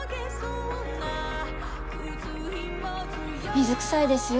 水くさいですよ